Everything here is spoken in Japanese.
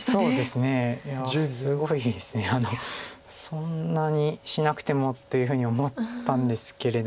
そんなにしなくてもというふうに思ったんですけれども。